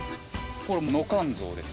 これノカンゾウです。